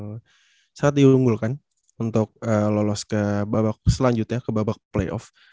satria muda memang sangat diunggulkan untuk lolos ke babak selanjutnya ke babak playoff